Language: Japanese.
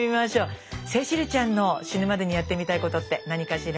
聖秋流ちゃんの死ぬまでにやってみたいことって何かしら？